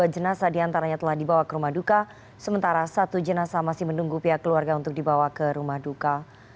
dua jenazah diantaranya telah dibawa ke rumah duka sementara satu jenasa masih menunggu pihak keluarga untuk dibawa ke rumah duka